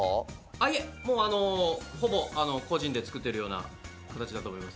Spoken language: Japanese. いえ、ほぼ個人で作ってるような形だと思います。